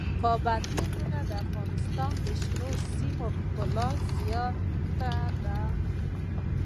پابندي غرونه د افغانستان د شنو سیمو ښکلا زیاتوي.